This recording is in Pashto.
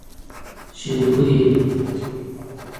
شينکۍ